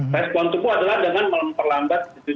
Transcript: respon tubuh adalah dengan memperlambat